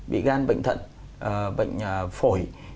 bị gan bệnh thận bệnh phổi